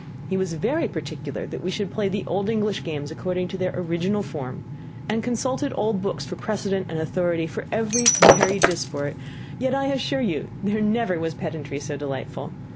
He was very particular that we should play the old English games according to their original form and consulted old books for precedent and authority for every 'merrie disport;' yet I assure you there never was pedantry so delightful.